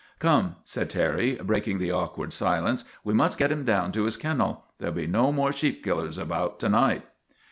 " Come," said Terry, breaking the awkward si lence, " we must get him down to his kennel. There '11 be no more sheep killers about to night."